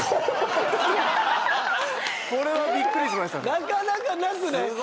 なかなかなくないですか